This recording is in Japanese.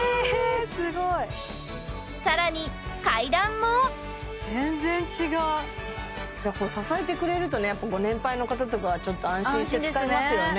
すごい！更に階段も全然違ういやこれ支えてくれるとねやっぱご年配の方とかはちょっと安心して使えますよね